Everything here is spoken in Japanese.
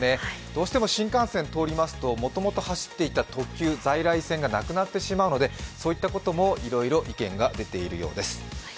どうしても新幹線通りますと、もともと走っていた特急、在来線がなくなってしまうのでそういったこともいろいろ意見が出ているようです。